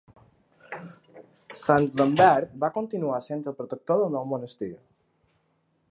Sant Lambert va continuar essent el protector del nou monestir.